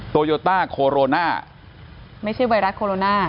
โยต้าโคโรนาไม่ใช่ไวรัสโคโรนา